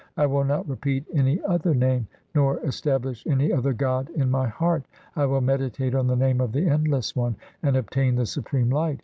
I will not repeat any other name, Nor establish any other God in my heart. I will meditate on the name of the Endless One, And obtain the supreme light.